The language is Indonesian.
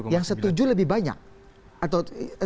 yang setuju lebih banyak atau